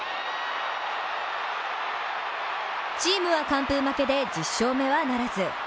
チームは完封負けで１０勝目はならず。